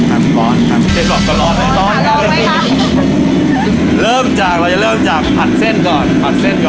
ผัดเส้นก่อนนะคะนี่แล้วกระทะของเขาก็คือต้องใช้แบบจับอย่างเงี้ย